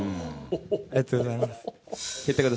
ありがとうございます。